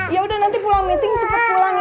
ya udah nanti pulang meeting cepet pulang ya